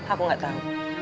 aku enggak tahu